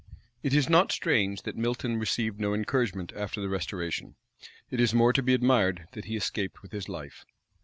It is not strange that Milton received no encouragement after the restoration: it is more to be admired that he escaped with his life.